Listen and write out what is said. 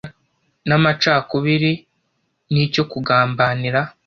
n’amacakubiri n’icyo kugambanira